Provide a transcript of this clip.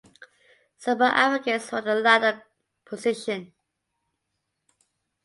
Sebo advocates for the latter position.